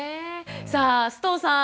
さあ須藤さん